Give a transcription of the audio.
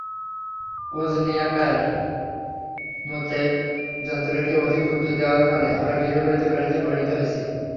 ওজনিয়াকের মতে, যন্ত্রকে অধিক গুরুত্ব দেওয়ার ফলে আমরা গৃহপালিত প্রাণীতে পরিণত হয়েছি।